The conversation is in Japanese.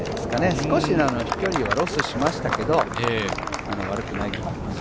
少し飛距離はロスしましたけど、悪くないと思います。